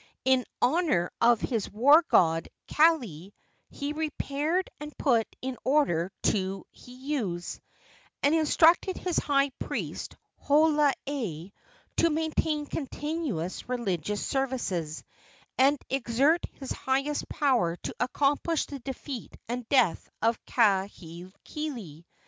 In honor of his war god, Kaili, he repaired and put in order two heiaus, and instructed his high priest, Holoae, to maintain continuous religious services, and exert his highest powers to accomplish the defeat and death of Kahekili.